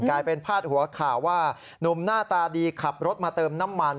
กลายเป็นพาดหัวข่าวว่าหนุ่มหน้าตาดีขับรถมาเติมน้ำมัน